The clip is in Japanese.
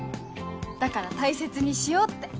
だから大切にしようって。